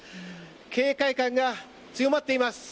警戒感が強まっています。